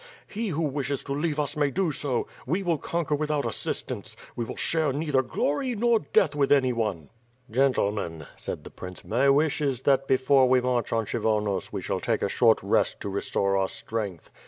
He who wishes to leave us may do so. We will conquer without assistance; we will share neither glory nor death with anyone." "Gentlemen," said the prince, "my wish is that before we march on Kshyvonos we shall take a short rest to restore our strength.